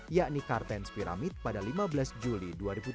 yakni kartens piramid pada lima belas juli dua ribu dua puluh